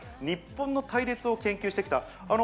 日本の隊列を研究してきた。